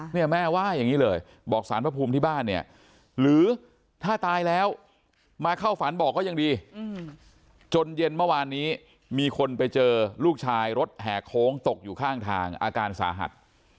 เนี่ยแม่ว่าอย่างนี้เลยบอกสารพระภูมิที่บ้านเนี่ยหรือถ้าตายแล้วมาเข้าฝันบอกก็ยังดีจนเย็นเมื่อวานนี้มีคนไปเจอลูกชายรถแห่โค้งตกอยู่ข้างทางอาการสาหัส